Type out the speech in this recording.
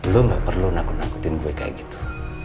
lo gak perlu nakut nakutin gue kayak gitu